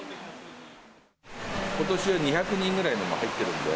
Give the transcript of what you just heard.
ことしは２００人ぐらい入ってるんで。